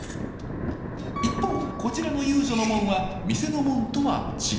一方こちらの遊女の紋は店の紋とは違います。